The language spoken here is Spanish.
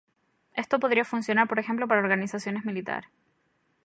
Esto podría funcionar por ejemplo para organizaciones militar.